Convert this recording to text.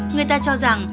người ta cho rằng